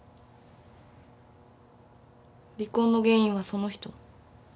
離婚の原因はその人？